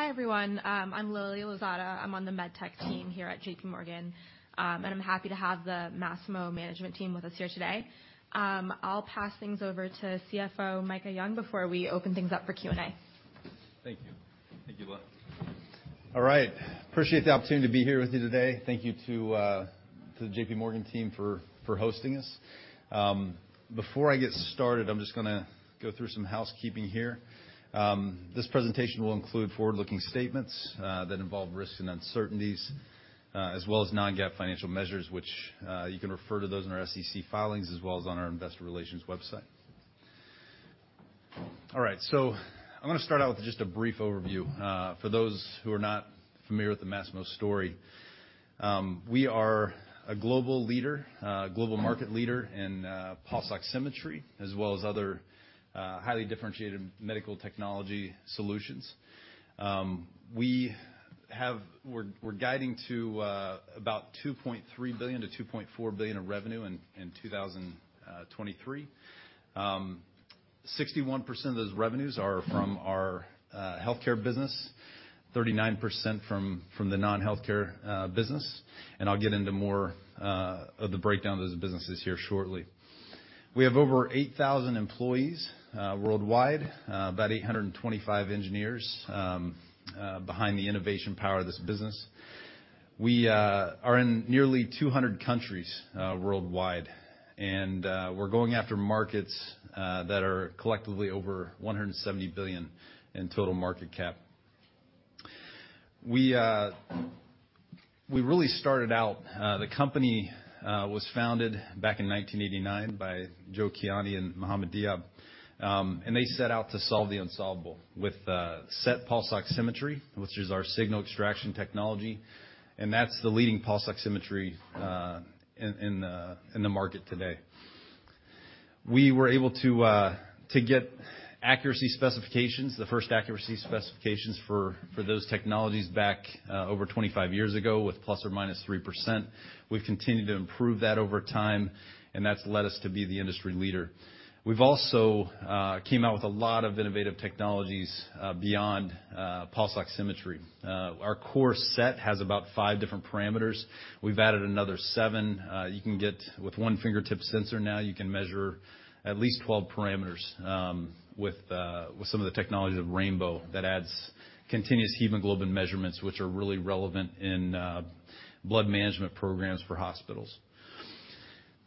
Hi, everyone. I'm Lilia Lozano. I'm on the MedTech team here at J.P. Morgan. I'm happy to have the Masimo management team with us here today. I'll pass things over to CFO Micah Young before we open things up for Q&A. Thank you, Lily. All right. Appreciate the opportunity to be here with you today. Thank you to the J.P. Morgan team for hosting us. Before I get started, I'm just gonna go through some housekeeping here. This presentation will include forward-looking statements that involve risks and uncertainties as well as Non-GAAP financial measures, which you can refer to those in our SEC filings as well as on our investor relations website. All right, I'm gonna start out with just a brief overview for those who are not familiar with the Masimo story. We are a global leader, global market leader in pulse oximetry, as well as other highly differentiated medical technology solutions. We're guiding to about $2.3 billion-$2.4 billion of revenue in 2023. 61% of those revenues are from our healthcare business, 39% from the non-healthcare business. I'll get into more of the breakdown of those businesses here shortly. We have over 8,000 employees worldwide, about 825 engineers behind the innovation power of this business. We are in nearly 200 countries worldwide. We're going after markets that are collectively over $170 billion in total market cap. We really started out, the company was founded back in 1989 by Joe Kiani and Mohamed Diab. They set out to solve the unsolvable with SET pulse oximetry, which is our Signal Extraction Technology, and that's the leading pulse oximetry in the market today. We were able to get accuracy specifications, the first accuracy specifications for those technologies back over 25 years ago with ±3%. We've continued to improve that over time, that's led us to be the industry leader. We've also came out with a lot of innovative technologies beyond pulse oximetry. Our core set has about five different parameters. We've added another seven. You can get, with one fingertip sensor now, you can measure at least 12 parameters, with some of the technologies of Rainbow that adds continuous hemoglobin measurements, which are really relevant in blood management programs for hospitals.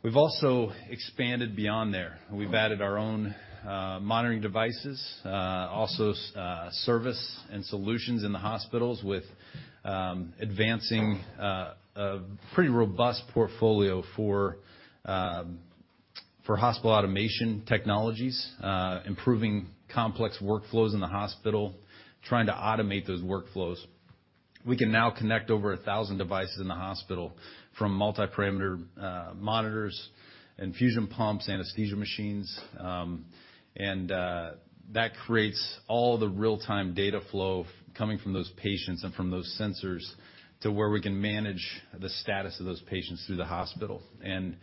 We've also expanded beyond there. We've added our own monitoring devices, also service and solutions in the hospitals with advancing a pretty robust portfolio for hospital automation technologies, improving complex workflows in the hospital, trying to automate those workflows. We can now connect over 1,000 devices in the hospital from multi-parameter monitors, infusion pumps, anesthesia machines, and that creates all the real-time data flow coming from those patients and from those sensors to where we can manage the status of those patients through the hospital and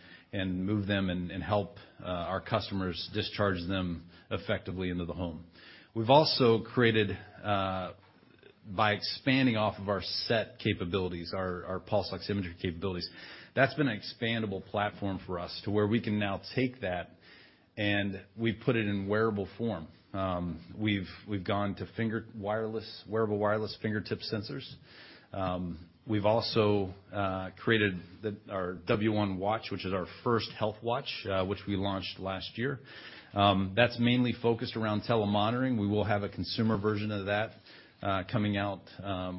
move them and help our customers discharge them effectively into the home. We've also created, by expanding off of our SET capabilities, our pulse oximetry capabilities, that's been an expandable platform for us to where we can now take that, and we put it in wearable form. We've gone to wireless, wearable wireless fingertip sensors. We've also created our W1 watch, which is our first health watch, which we launched last year. That's mainly focused around telemonitoring. We will have a consumer version of that coming out,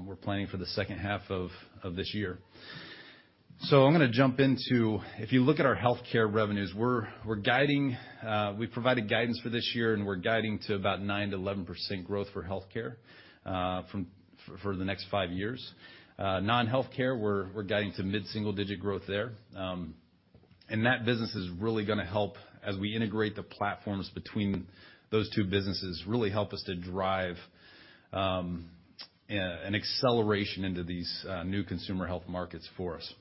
we're planning for the second half of this year. I'm gonna jump into, if you look at our healthcare revenues, we're guiding, we provided guidance for this year, and we're guiding to about 9%-11% growth for healthcare for the next five years. Non-healthcare, we're guiding to mid-single digit growth there. That business is really gonna help as we integrate the platforms between those two businesses, really help us to drive an acceleration into these new consumer health markets for us.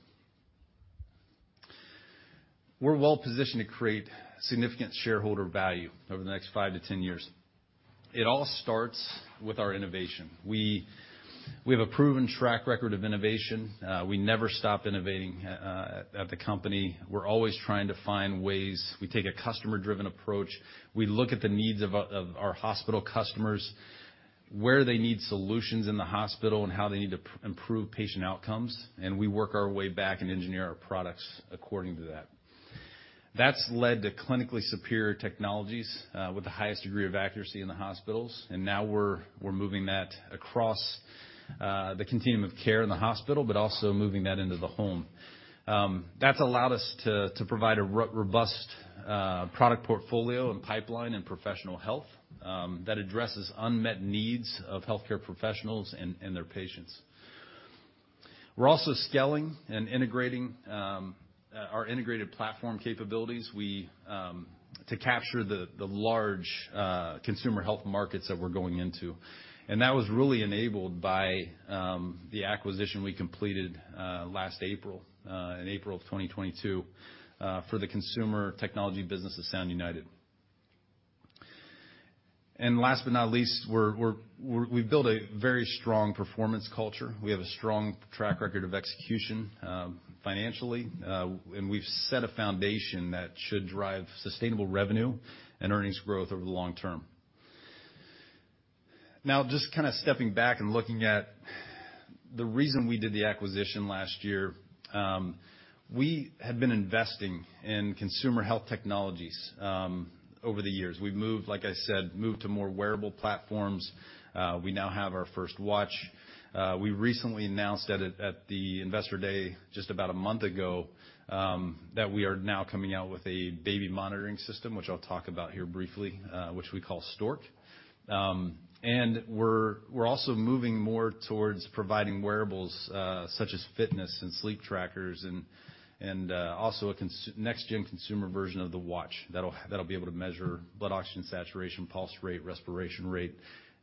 We're well-positioned to create significant shareholder value over the next 5 years-10 years. It all starts with our innovation. We have a proven track record of innovation. We never stop innovating at the company. We're always trying to find ways. We take a customer-driven approach. We look at the needs of our hospital customers, where they need solutions in the hospital, how they need to improve patient outcomes, we work our way back and engineer our products according to that. That's led to clinically superior technologies with the highest degree of accuracy in the hospitals. Now we're moving that across the continuum of care in the hospital, but also moving that into the home. That's allowed us to provide a robust product portfolio and pipeline in professional health that addresses unmet needs of healthcare professionals and their patients. We're also scaling and integrating our integrated platform capabilities. We, to capture the large consumer health markets that we're going into. That was really enabled by the acquisition we completed last in April of 2022 for the consumer technology business of Sound United. Last but not least, we built a very strong performance culture. We have a strong track record of execution financially, and we've set a foundation that should drive sustainable revenue and earnings growth over the long term. Just kinda stepping back and looking at the reason we did the acquisition last year. We had been investing in consumer health technologies over the years. We've moved, like I said, moved to more wearable platforms. We now have our first watch. We recently announced at the Investor Day just about a month ago that we are now coming out with a baby monitoring system, which I'll talk about here briefly, which we call Stork. We're also moving more towards providing wearables, such as fitness and sleep trackers and also a next gen consumer version of the watch that'll be able to measure blood oxygen saturation, pulse rate, respiration rate,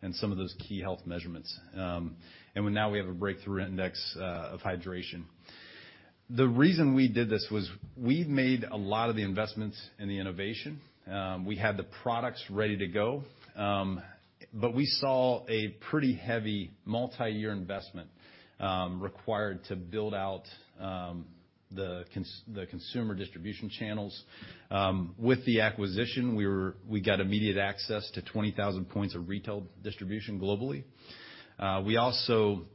and some of those key health measurements. Now we have a breakthrough Hydration Index. The reason we did this was we've made a lot of the investments in the innovation. We had the products ready to go, but we saw a pretty heavy multiyear investment required to build out the consumer distribution channels. With the acquisition, we got immediate access to 20,000 points of retail distribution globally. We also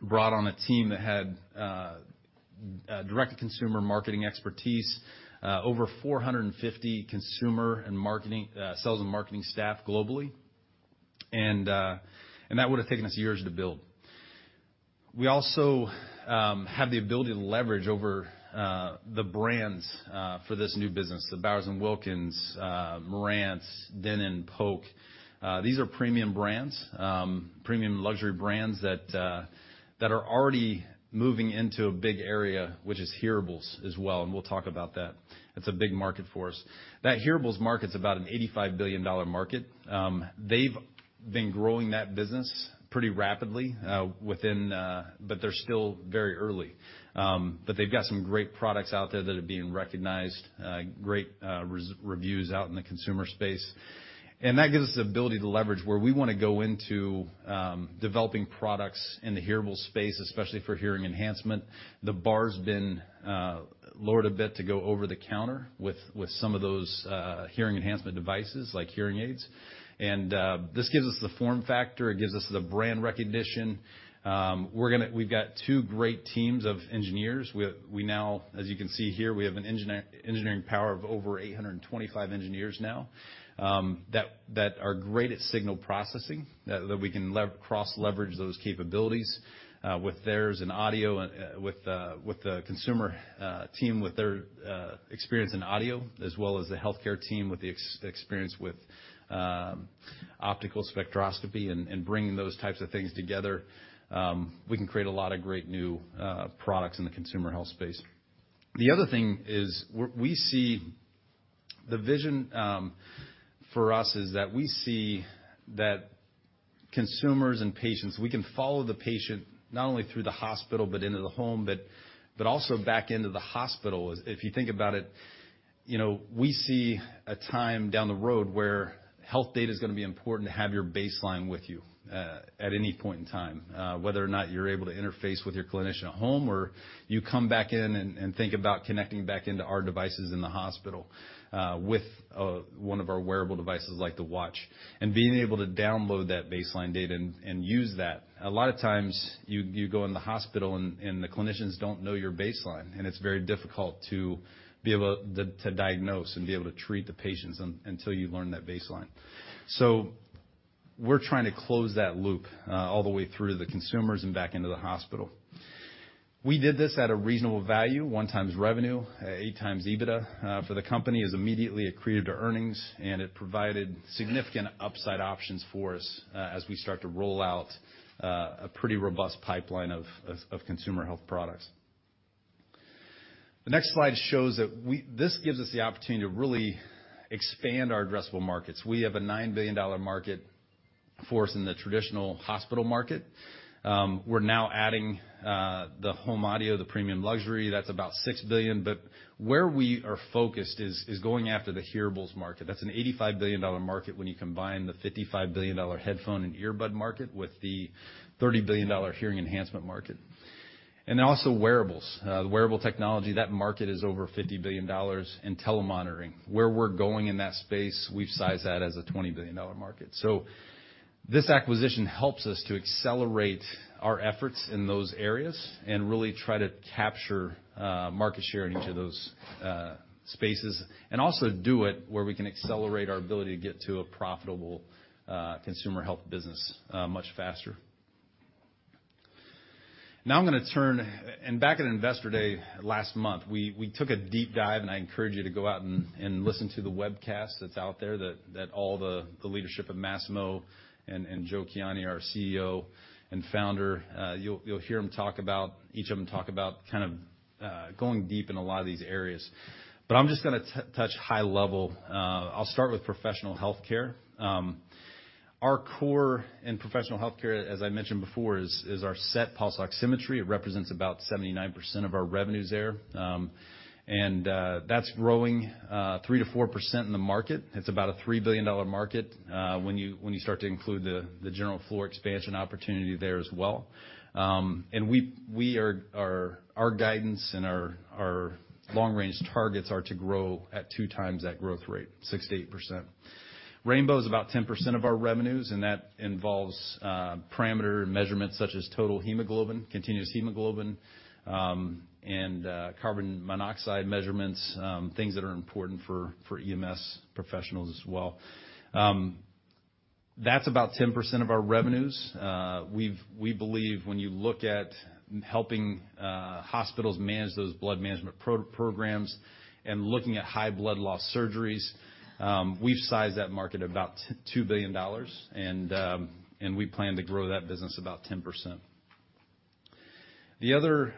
brought on a team that had direct-to-consumer marketing expertise, over 450 consumer and marketing sales and marketing staff globally. That would have taken us years to build. We also have the ability to leverage over the brands for this new business, the Bowers & Wilkins, Marantz, Denon, Polk. These are premium brands, premium luxury brands that are already moving into a big area, which is hearables as well, and we'll talk about that. It's a big market for us. That hearables market's about an $85 billion market. They've been growing that business pretty rapidly within. They're still very early. They've got some great products out there that are being recognized, great reviews out in the consumer space. That gives us the ability to leverage where we wanna go into, developing products in the hearables space, especially for hearing enhancement. The bar's been lowered a bit to go over the counter with some of those, hearing enhancement devices like hearing aids. This gives us the form factor, it gives us the brand recognition. We've got two great teams of engineers. We now, as you can see here, we have an engineering power of over 825 engineers now that are great at signal processing, that we can cross-leverage those capabilities with theirs in audio, with the consumer team, with their experience in audio, as well as the healthcare team with the experience with optical spectroscopy and bringing those types of things together, we can create a lot of great new products in the consumer health space. The other thing is we see the vision for us is that we see that consumers and patients, we can follow the patient not only through the hospital, but into the home, but also back into the hospital. If you think about it, you know, we see a time down the road where health data is gonna be important to have your baseline with you, at any point in time, whether or not you're able to interface with your clinician at home, or you come back in and think about connecting back into our devices in the hospital, with one of our wearable devices like the watch, and being able to download that baseline data and use that. A lot of times you go in the hospital and the clinicians don't know your baseline, and it's very difficult to diagnose and be able to treat the patients until you learn that baseline. We're trying to close that loop all the way through to the consumers and back into the hospital. We did this at a reasonable value, 1x revenue, at 8x EBITDA. For the company, it's immediately accreted to earnings, and it provided significant upside options for us, as we start to roll out a pretty robust pipeline of consumer health products. The next slide shows that this gives us the opportunity to really expand our addressable markets. We have a $9 billion market for us in the traditional hospital market. We're now adding the home audio, the premium luxury, that's about $6 billion. Where we are focused is going after the hearables market. That's an $85 billion market when you combine the $55 billion headphone and earbud market with the $30 billion hearing enhancement market. Also wearables. The wearable technology, that market is over $50 billion in telemonitoring. Where we're going in that space, we've sized that as a $20 billion market. This acquisition helps us to accelerate our efforts in those areas and really try to capture market share in each of those spaces, and also do it where we can accelerate our ability to get to a profitable consumer health business much faster. Back at Investor Day last month, we took a deep dive, and I encourage you to go out and listen to the webcast that's out there, that all the leadership of Masimo and Joe Kiani, our CEO and founder, you'll hear him talk about, each of them talk about kind of going deep in a lot of these areas. I'm just gonna touch high level. I'll start with professional healthcare. Our core in professional healthcare, as I mentioned before, is our SET pulse oximetry. It represents about 79% of our revenues there. That's growing 3%-4% in the market. It's about a $3 billion market when you start to include the general floor expansion opportunity there as well. Our guidance and our long-range targets are to grow at 2x that growth rate, 6%-8%. Rainbow is about 10% of our revenues, and that involves parameter and measurements such as Total Hemoglobin, continuous hemoglobin, and carbon monoxide measurements, things that are important for EMS professionals as well. That's about 10% of our revenues. We believe when you look at helping hospitals manage those blood management programs and looking at high blood loss surgeries, we've sized that market about $2 billion, and we plan to grow that business about 10%. The other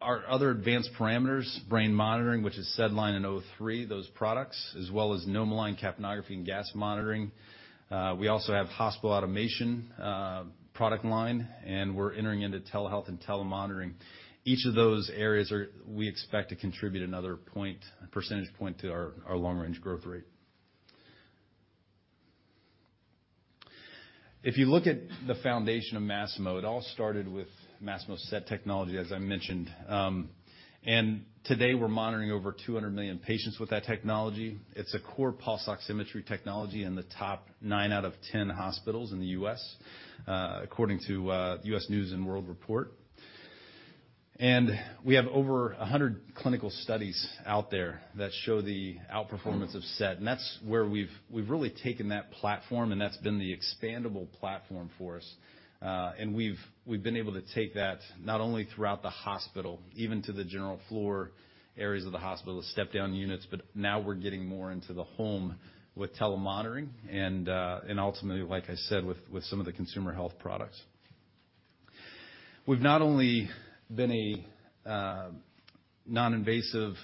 advanced parameters, brain monitoring, which is SedLine and O3, those products, as well as NomoLine capnography and gas monitoring. We also have hospital automation product line, and we're entering into telehealth and telemonitoring. Each of those areas we expect to contribute another percentage point to our long-range growth rate. If you look at the foundation of Masimo, it all started with Masimo's SET technology, as I mentioned. Today we're monitoring over 200 million patients with that technology. It's a core pulse oximetry technology in the top 9 out of 10 hospitals in the U.S., according to U.S. News & World Report. We have over 100 clinical studies out there that show the outperformance of SET, and that's where we've really taken that platform, and that's been the expandable platform for us. We've been able to take that not only throughout the hospital, even to the general floor areas of the hospital, the step-down units, but now we're getting more into the home with telemonitoring and ultimately, like I said, with some of the consumer health products. We've not only been a non-invasive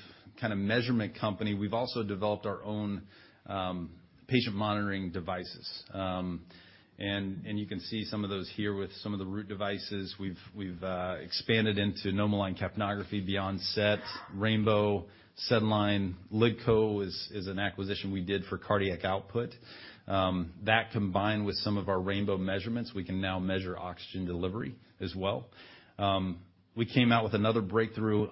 kinda measurement company, we've also developed our own patient monitoring devices. You can see some of those here with some of the Root devices. We've expanded into NomoLine capnography beyond SET, Rainbow, SedLine. LiDCO is an acquisition we did for cardiac output. That combined with some of our Rainbow measurements, we can now measure oxygen delivery as well. We came out with another breakthrough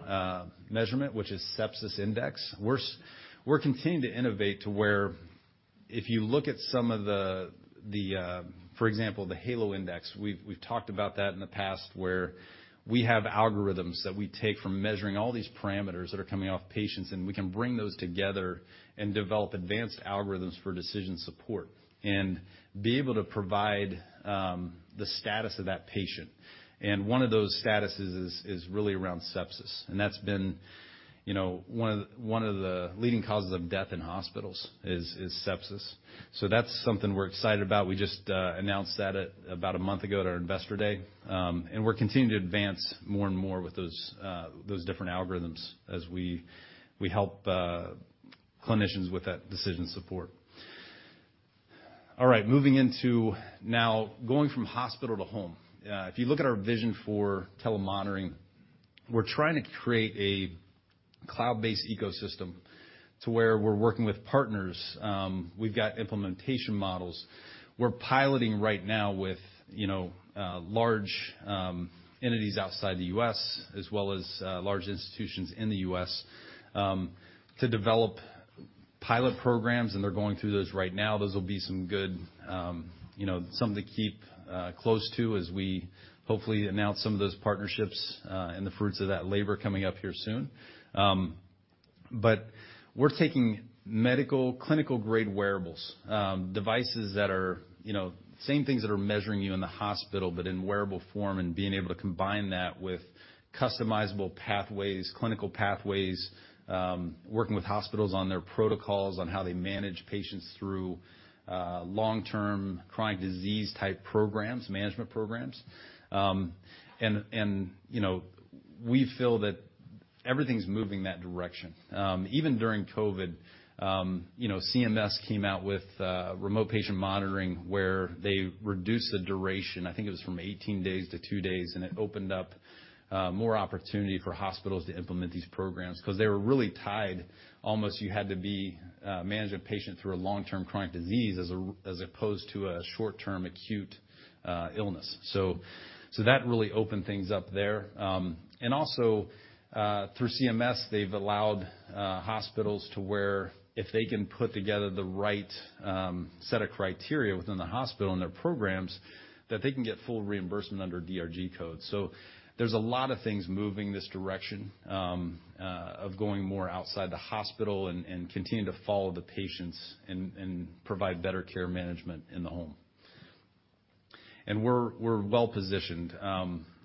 measurement, which is Sepsis Index. We're continuing to innovate to where if you look at some of the, for example, the Halo Index, we've talked about that in the past, where we have algorithms that we take from measuring all these parameters that are coming off patients, and we can bring those together and develop advanced algorithms for decision support and be able to provide the status of that patient. One of those statuses is really around sepsis, and that's been, you know, one of the leading causes of death in hospitals is sepsis. That's something we're excited about. We just announced that about a month ago at our Investor Day. And we're continuing to advance more and more with those different algorithms as we help clinicians with that decision support. Moving into now going from hospital to home. If you look at our vision for telemonitoring, we're trying to create a cloud-based ecosystem to where we're working with partners. We've got implementation models. We're piloting right now with, you know, large entities outside the U.S. as well as large institutions in the U.S. to develop pilot programs, and they're going through those right now. Those will be some good, you know, something to keep close to as we hopefully announce some of those partnerships, and the fruits of that labor coming up here soon. We're taking medical, clinical-grade wearables, devices that are, you know, same things that are measuring you in the hospital, but in wearable form and being able to combine that with customizable pathways, clinical pathways, working with hospitals on their protocols, on how they manage patients through long-term chronic disease type programs, management programs. You know, we feel that everything's moving that direction. Even during COVID, you know, CMS came out with remote patient monitoring, where they reduced the duration, I think it was from 18 days to 2 days, and it opened up more opportunity for hospitals to implement these programs because they were really tied. Almost you had to be managing a patient through a long-term chronic disease as opposed to a short-term acute illness. That really opened things up there. Also, through CMS, they've allowed hospitals to where if they can put together the right set of criteria within the hospital and their programs, that they can get full reimbursement under DRG codes. There's a lot of things moving this direction, of going more outside the hospital and continuing to follow the patients and provide better care management in the home. We're well positioned.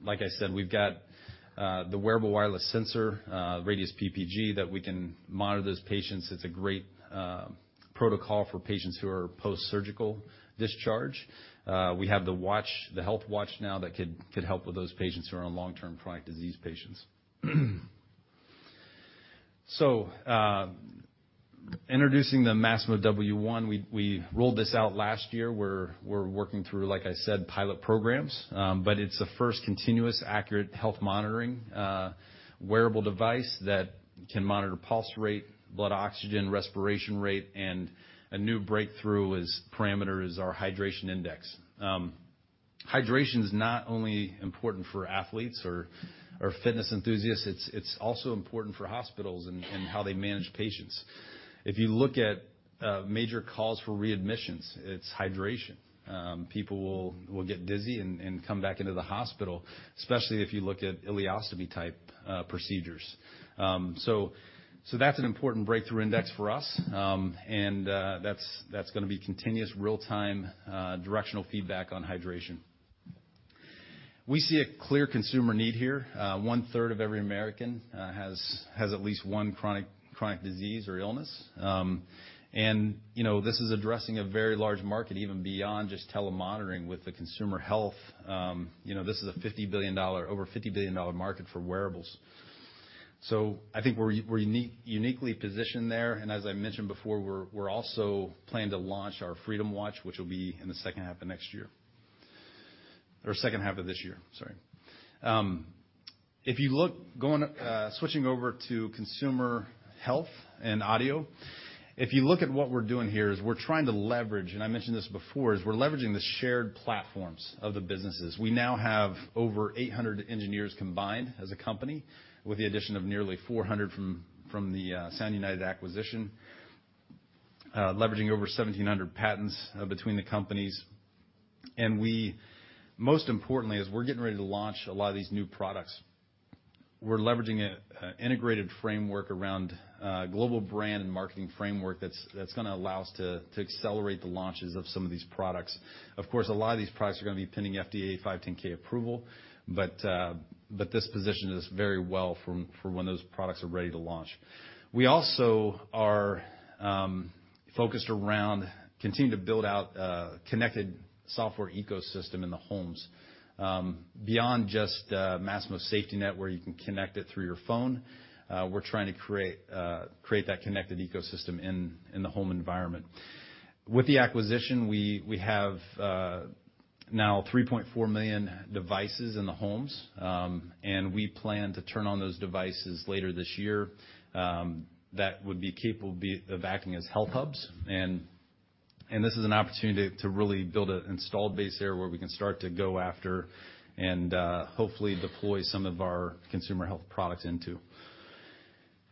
Like I said, we've got the wearable wireless sensor, Radius PPG, that we can monitor those patients. It's a great protocol for patients who are post-surgical discharge. We have the watch, the health watch now that could help with those patients who are on long-term chronic disease patients. Introducing the Masimo W1, we rolled this out last year. We're working through, like I said, pilot programs, but it's the first continuous accurate health monitoring, wearable device that can monitor pulse rate, blood oxygen, respiration rate, and a new breakthrough is parameters or Hydration Index. Hydration is not only important for athletes or fitness enthusiasts, it's also important for hospitals and how they manage patients. If you look at major calls for readmissions, it's hydration. People will get dizzy and come back into the hospital, especially if you look at ileostomy-type procedures. That's an important breakthrough index for us. That's gonna be continuous real-time directional feedback on hydration. We see a clear consumer need here. One-third of every American has at least one chronic disease or illness. You know, this is addressing a very large market, even beyond just telemonitoring with the consumer health. You know, this is a over $50 billion market for wearables. I think we're uniquely positioned there. As I mentioned before, we're also planning to launch our Freedom Watch, which will be in the second half of next year or second half of this year, sorry. If you look, switching over to consumer health and audio, if you look at what we're doing here is we're trying to leverage, and I mentioned this before, is we're leveraging the shared platforms of the businesses. We now have over 800 engineers combined as a company, with the addition of nearly 400 from the Sound United acquisition, leveraging over 1,700 patents between the companies. We most importantly, as we're getting ready to launch a lot of these new products, we're leveraging a integrated framework around a global brand and marketing framework that's gonna allow us to accelerate the launches of some of these products. Of course, a lot of these products are gonna be pending FDA 510K approval, but this positions us very well for when those products are ready to launch. We also are focused around continuing to build out a connected software ecosystem in the homes, beyond just Masimo SafetyNet, where you can connect it through your phone. We're trying to create that connected ecosystem in the home environment. With the acquisition, we have now 3.4 million devices in the homes, and we plan to turn on those devices later this year, that would be capable of acting as health hubs. This is an opportunity to really build an installed base there where we can start to go after and hopefully deploy some of our consumer health products into,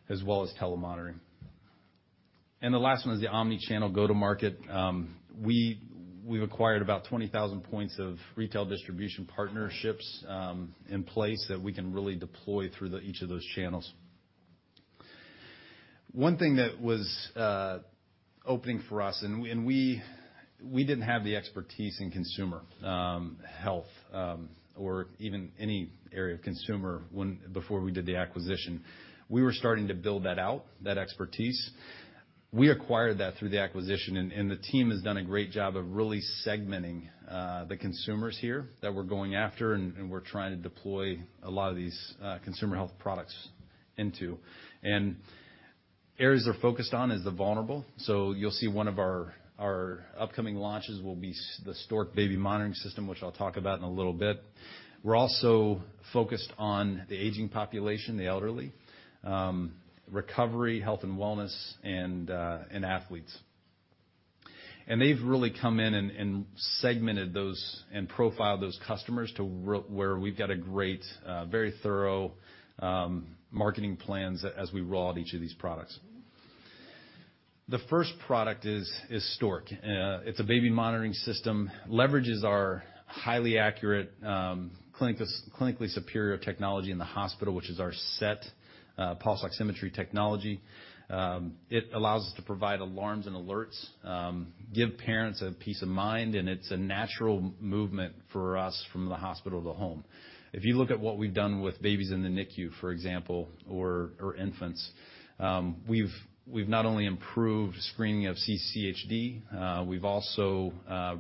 as well as telemonitoring. The last one is the omni-channel go-to-market. We've acquired about 20,000 points of retail distribution partnerships in place that we can really deploy through each of those channels. One thing that was opening for us, and we didn't have the expertise in consumer health or even any area of consumer when before we did the acquisition. We were starting to build that out, that expertise. We acquired that through the acquisition, and the team has done a great job of really segmenting the consumers here that we're going after and we're trying to deploy a lot of these consumer health products into. Areas they're focused on is the vulnerable. You'll see one of our upcoming launches will be the Stork baby monitoring system, which I'll talk about in a little bit. We're also focused on the aging population, the elderly, recovery, health and wellness, and athletes. They've really come in and segmented those and profiled those customers to where we've got a great, very thorough, marketing plans as we roll out each of these products. The first product is Stork. It's a baby monitoring system, leverages our highly accurate, clinically superior technology in the hospital, which is our SET pulse oximetry technology. It allows us to provide alarms and alerts, give parents a peace of mind, it's a natural movement for us from the hospital to the home. If you look at what we've done with babies in the NICU, for example, or infants, we've not only improved screening of CCHD, we've also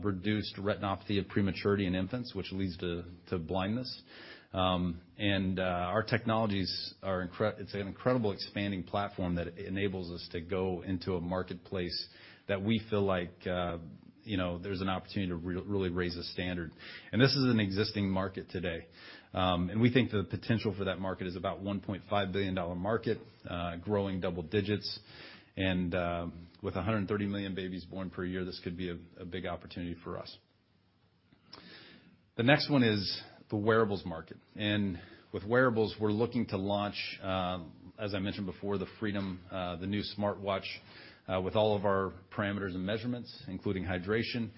reduced retinopathy of prematurity in infants, which leads to blindness. Our technologies are it's an incredible expanding platform that enables us to go into a marketplace that we feel like, you know, there's an opportunity to really raise the standard. This is an existing market today. We think the potential for that market is about $1.5 billion market, growing double digits. With 130 million babies born per year, this could be a big opportunity for us. The next one is the wearables market. With wearables, we're looking to launch, as I mentioned before, the Freedom, the new smartwatch, with all of our parameters and measurements, including hydration.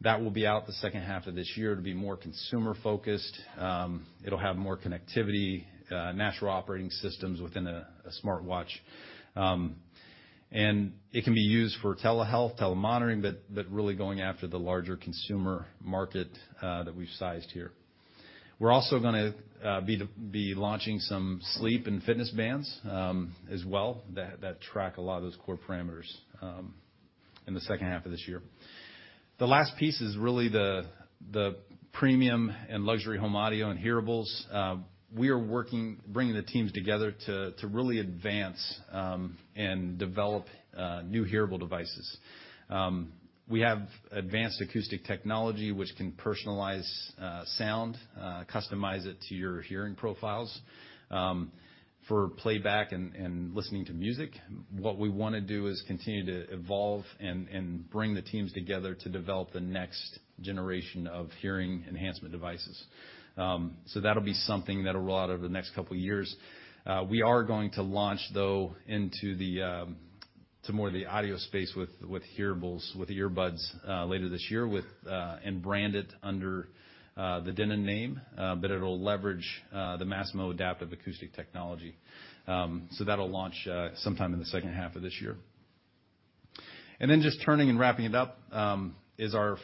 That will be out the second half of this year. It'll be more consumer-focused. It'll have more connectivity, natural operating systems within a smartwatch. It can be used for telehealth, telemonitoring, but really going after the larger consumer market that we've sized here. We're also gonna be launching some sleep and fitness bands as well that track a lot of those core parameters in the second half of this year. The last piece is really the premium and luxury home audio and hearables. Bringing the teams together to really advance and develop new hearable devices. We have advanced acoustic technology which can personalize sound, customize it to your hearing profiles for playback and listening to music. What we wanna do is continue to evolve and bring the teams together to develop the next generation of hearing enhancement devices. That'll be something that'll roll out over the next couple years. We are going to launch, though, into the to more of the audio space with hearables, with earbuds, later this year with and brand it under the Denon name. It'll leverage the Masimo Adaptive Acoustic Technology. That'll launch sometime in the second half of this year. Just turning and wrapping it up is our.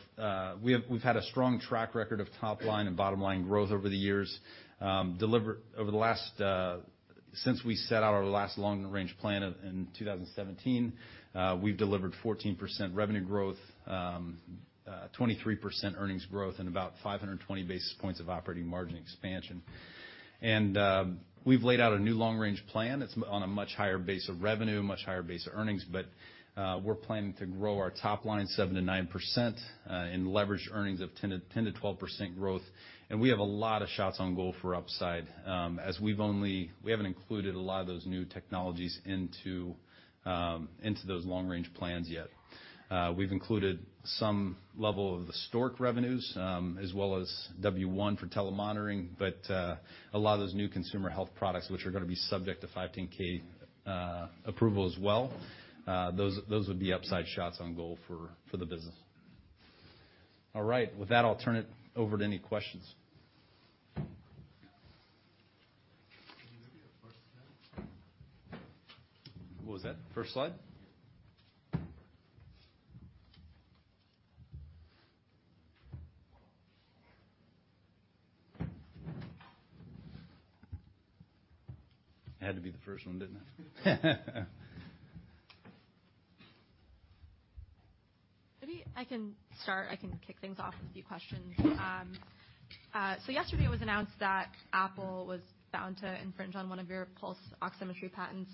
We've had a strong track record of top line and bottom line growth over the years. Over the last Since we set out our last long range plan of, in 2017, we've delivered 14% revenue growth, 23% earnings growth and about 520 basis points of operating margin expansion. We've laid out a new long range plan. It's on a much higher base of revenue, much higher base of earnings, we're planning to grow our top line 7%-9%, and leverage earnings of 10%-12% growth. We have a lot of shots on goal for upside, as we haven't included a lot of those new technologies into those long range plans yet. We've included some level of the Stork revenues, as well as W1 for telemonitoring. A lot of those new consumer health products which are gonna be subject to 510K approval as well, those would be upside shots on goal for the business. All right. With that, I'll turn it over to any questions. Can you go to your first slide? What was that? First slide? Yeah. It had to be the first one, didn't it? Maybe I can start. I can kick things off with a few questions. Yesterday it was announced that Apple was found to infringe on one of your pulse oximetry patents.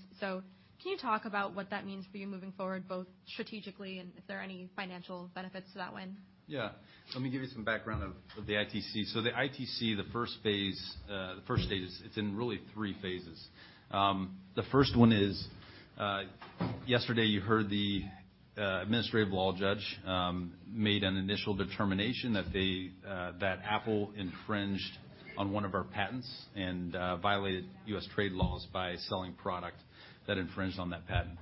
Can you talk about what that means for you moving forward, both strategically and if there are any financial benefits to that win? Let me give you some background of the ITC. The ITC, the first phase, the first stage is. It's in really three phases. The first one is, yesterday you heard the administrative law judge made an initial determination that they, that Apple infringed on one of our patents and violated U.S. trade laws by selling product that infringed on that patent.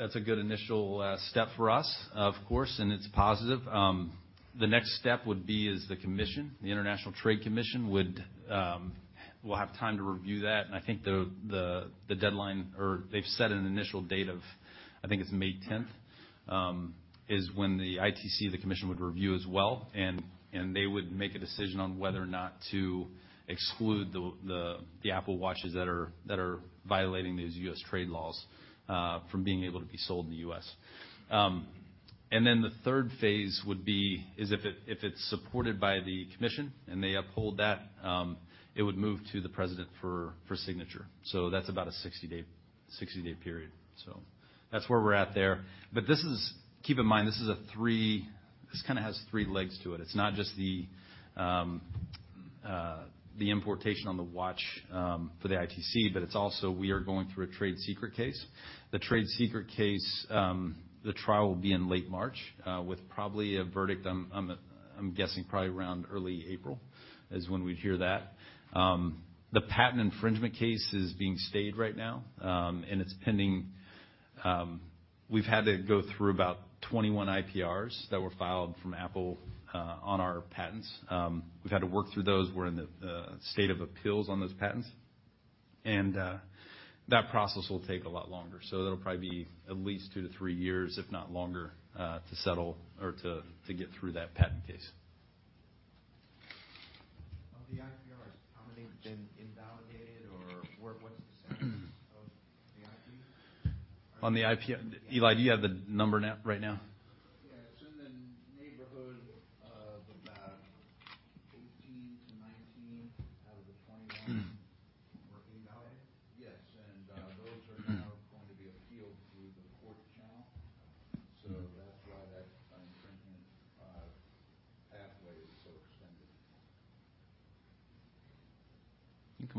That's a good initial step for us, of course, and it's positive. The next step would be is the commission, the International Trade Commission would will have time to review that. I think the deadline, or they've set an initial date of, I think it's May 10th, is when the ITC, the commission, would review as well. They would make a decision on whether or not to exclude the Apple Watch that are violating these U.S. trade laws from being able to be sold in the U.S. The third phase would be if it's supported by the Commission and they uphold that, it would move to the President for signature. That's about a 60-day period. That's where we're at there. Keep in mind, this kinda has three legs to it. It's not just the importation on the watch for the ITC, but it's also we are going through a trade secret case. The trade secret case, the trial will be in late March, with probably a verdict, I'm guessing probably around early April is when we'd hear that. The patent infringement case is being stayed right now, and it's pending. We've had to go through about 21 IPRs that were filed from Apple on our patents. We've had to work through those. We're in the state of appeals on those patents. That process will take a lot longer. That'll probably be at least 2 years-3 years, if not longer, to settle or to get through that patent case. Of the IPRs, how many have been invalidated or what's the status of the IPs? On the IP- Yeah. Eli, do you have the number right now?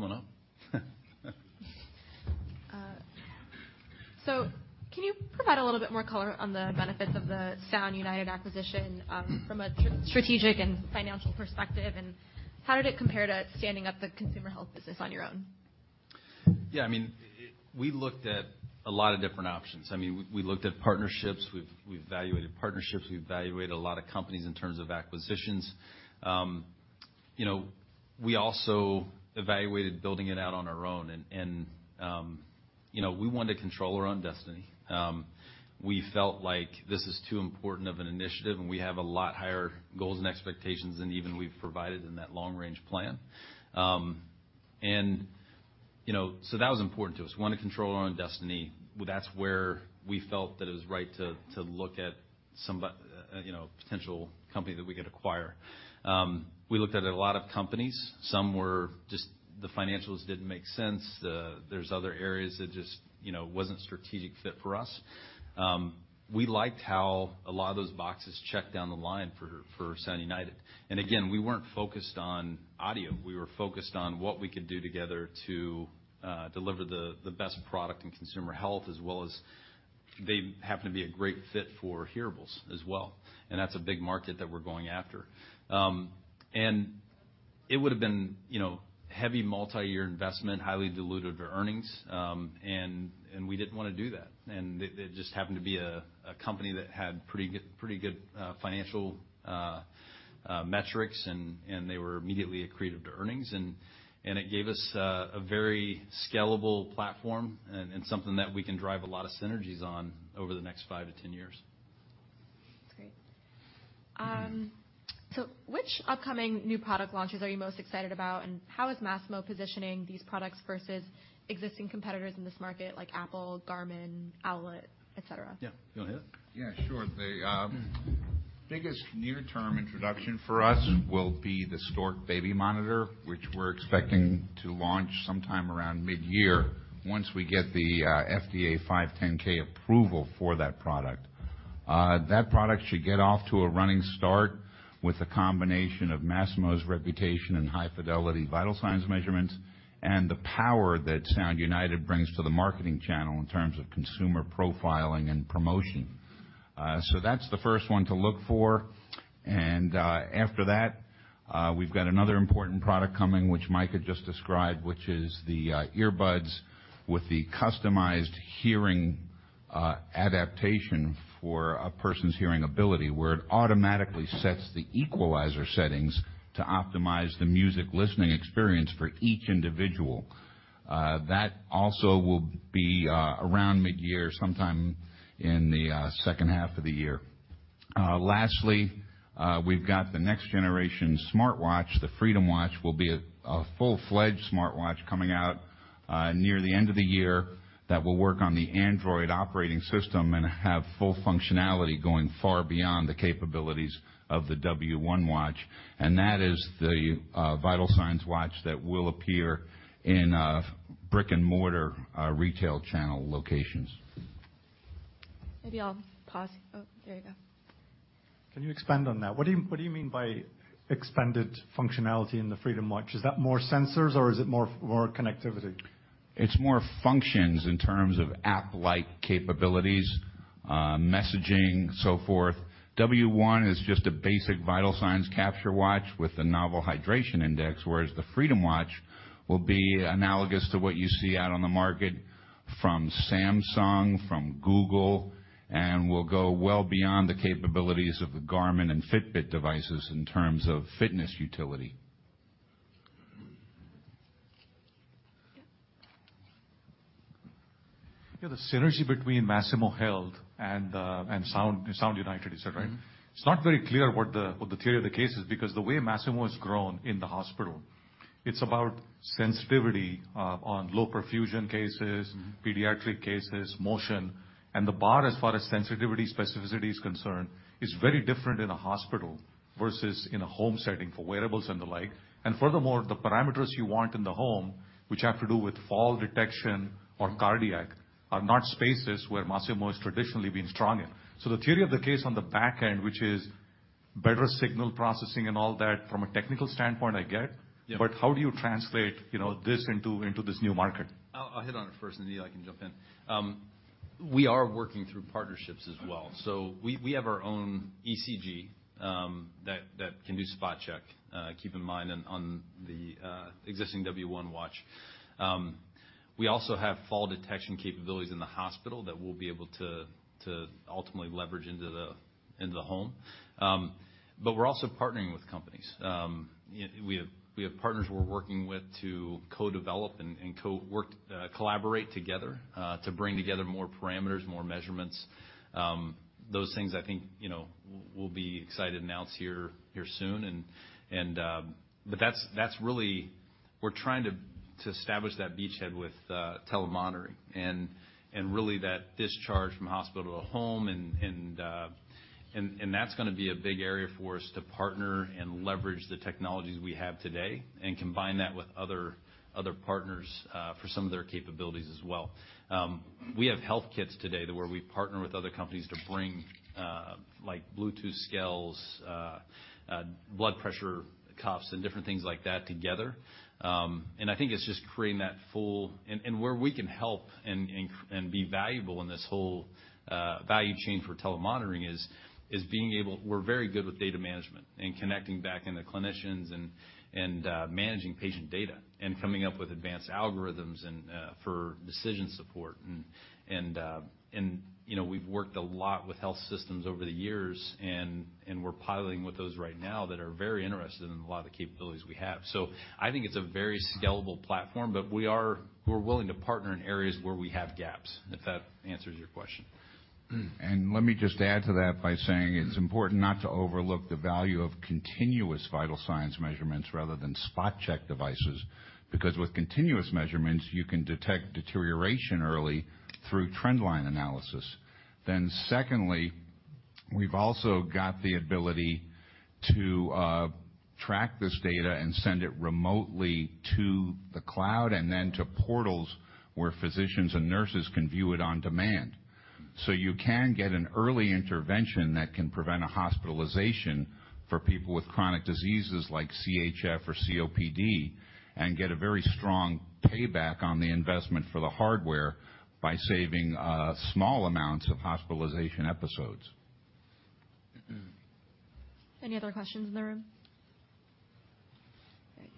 Yes. In the neighborhood of about 18-19 out of the 21. Were invalidated? Yes. Those are now going to be appealed through the court channel. That's why that, infringement, pathway is so extended. You can come on up. Can you provide a little bit more color on the benefits of the Sound United acquisition, from a strategic and financial perspective? How did it compare to standing up the consumer health business on your own? Yeah, I mean, we looked at a lot of different options. I mean, we looked at partnerships. We've evaluated partnerships. We've evaluated a lot of companies in terms of acquisitions. You know, we also evaluated building it out on our own. You know, we want to control our own destiny. We felt like this is too important of an initiative, and we have a lot higher goals and expectations than even we've provided in that long range plan. You know, so that was important to us. Wanted to control our own destiny. Well, that's where we felt that it was right to look at, you know, potential company that we could acquire. We looked at a lot of companies. Some were just the financials didn't make sense. There's other areas that just, you know, wasn't strategic fit for us. We liked how a lot of those boxes checked down the line for Sound United. Again, we weren't focused on audio. We were focused on what we could do together to deliver the best product in consumer health as well as they happen to be a great fit for hearables as well. That's a big market that we're going after. It would have been, you know, heavy multiyear investment, highly diluted earnings, and we didn't wanna do that. It just happened to be a company that had pretty good financial metrics, and they were immediately accretive to earnings. It gave us a very scalable platform and something that we can drive a lot of synergies on over the next 5 years-10 years. That's great. Which upcoming new product launches are you most excited about, and how is Masimo positioning these products versus existing competitors in this market like Apple, Garmin, Owlet, et cetera? Yeah. You want to hit it? Yeah, sure. Mm-hmm... biggest near-term introduction for us will be the Stork baby monitor, which we're expecting to launch sometime around midyear, once we get the FDA 510 approval for that product. That product should get off to a running start with a combination of Masimo's reputation in high-fidelity vital signs measurements and the power that Sound United brings to the marketing channel in terms of consumer profiling and promotion. That's the first one to look for. After that, we've got another important product coming, which Mike had just described, which is the earbuds with the customized hearing adaptation for a person's hearing ability, where it automatically sets the equalizer settings to optimize the music listening experience for each individual. That also will be around midyear, sometime in the second half of the year. lastly, we've got the next generation smartwatch. The Freedom Watch will be a full-fledged smartwatch coming out, near the end of the year that will work on the Android operating system and have full functionality going far beyond the capabilities of the W1 watch. That is the vital signs watch that will appear in, brick-and-mortar, retail channel locations. Maybe I'll pause. Oh, there you go. Can you expand on that? What do you mean by expanded functionality in the Freedom Watch? Is that more sensors or is it more connectivity? It's more functions in terms of app-like capabilities, messaging and so forth. W1 is just a basic vital signs capture watch with a novel Hydration Index, whereas the Freedom Watch will be analogous to what you see out on the market from Samsung, from Google, and will go well beyond the capabilities of the Garmin and Fitbit devices in terms of fitness utility. Yeah. Yeah, the synergy between Masimo Health and Sound United, et cetera. Mm-hmm. It's not very clear what the theory of the case is because the way Masimo has grown in the hospital, it's about sensitivity on low perfusion cases. Mm-hmm... pediatric cases, motion, and the bar as far as sensitivity specificity is concerned is very different in a hospital versus in a home setting for wearables and the like. Furthermore, the parameters you want in the home, which have to do with fall detection or cardiac, are not spaces where Masimo has traditionally been strong in. The theory of the case on the back end, which is better signal processing and all that from a technical standpoint, I get. Yeah. How do you translate, you know, this into this new market? I'll hit on it first, and Joe can jump in. We are working through partnerships as well. We have our own ECG that can do spot check, keep in mind and on the existing W1 watch. We also have fall detection capabilities in the hospital that we'll be able to ultimately leverage into the home. We're also partnering with companies. We have partners we're working with to co-develop and co-work, collaborate together, to bring together more parameters, more measurements. Those things I think, you know, we'll be excited to announce here soon. That's really. We're trying to establish that beachhead with telemonitoring and really that discharge from hospital to home and that's gonna be a big area for us to partner and leverage the technologies we have today and combine that with other partners for some of their capabilities as well. We have health kits today to where we partner with other companies to bring like Bluetooth scales, blood pressure cuffs and different things like that together. I think it's just creating that full. Where we can help and be valuable in this whole value chain for telemonitoring is being able. We're very good with data management and connecting back into clinicians and managing patient data and coming up with advanced algorithms and for decision support. You know, we've worked a lot with health systems over the years and we're piloting with those right now that are very interested in a lot of the capabilities we have. I think it's a very scalable platform, but we're willing to partner in areas where we have gaps, if that answers your question. Let me just add to that by saying it's important not to overlook the value of continuous vital signs measurements rather than spot check devices, because with continuous measurements, you can detect deterioration early through trend line analysis. Secondly, we've also got the ability to track this data and send it remotely to the cloud and then to portals where physicians and nurses can view it on demand. You can get an early intervention that can prevent a hospitalization for people with chronic diseases like CHF or COPD, and get a very strong payback on the investment for the hardware by saving small amounts of hospitalization episodes. Any other questions in the room?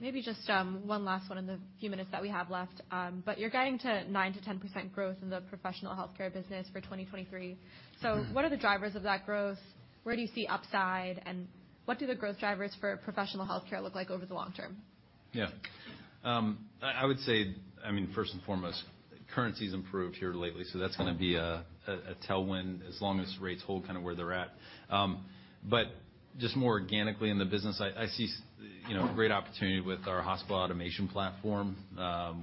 Maybe just one last one in the few minutes that we have left. You're guiding to 9%-10% growth in the professional healthcare business for 2023. What are the drivers of that growth? Where do you see upside, and what do the growth drivers for professional healthcare look like over the long term? I would say, I mean, first and foremost, currency's improved here lately, so that's gonna be a tell when as long as rates hold kinda where they're at. Just more organically in the business, I see, you know, great opportunity with our Hospital Automation platform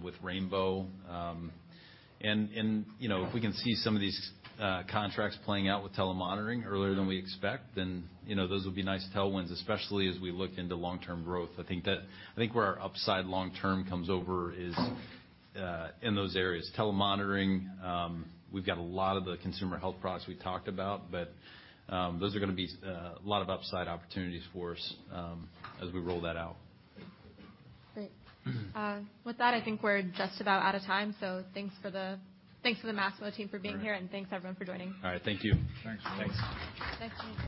with Rainbow. You know, if we can see some of these contracts playing out with telemonitoring earlier than we expect, then, you know, those will be nice tailwinds, especially as we look into long-term growth. I think where our upside long term comes over is in those areas. Telemonitoring, we've got a lot of the consumer health products we talked about, but those are gonna be a lot of upside opportunities for us as we roll that out. Great. With that, I think we're just about out of time. Thanks to the Masimo team for being here, and thanks everyone for joining. All right. Thank you. Thanks. Thanks. Thank you.